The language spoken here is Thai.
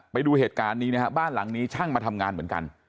ไปดูเหตุการณ์นี้นะฮะบ้านหลังนี้ช่างมาทำงานเหมือนกัน